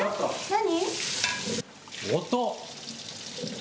何？